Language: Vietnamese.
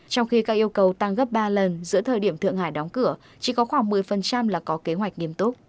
trong khi các yêu cầu tăng gấp ba lần giữa thời điểm thượng hải đóng cửa chỉ có khoảng một mươi là có kế hoạch nghiêm túc